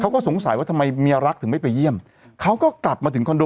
เขาก็สงสัยว่าทำไมเมียรักถึงไม่ไปเยี่ยมเขาก็กลับมาถึงคอนโด